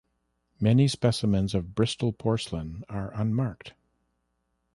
Many specimens of Bristol porcelain are unmarked.